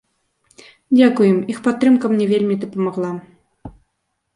Дзякуй ім, іх падтрымка мне вельмі дапамагла.